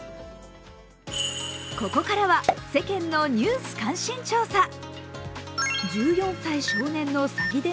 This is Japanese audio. ここからは世間のニュース関心調査。